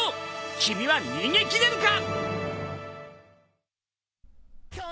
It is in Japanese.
君は逃げ切れるか！？